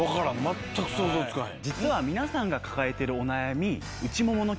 全く想像つかへん。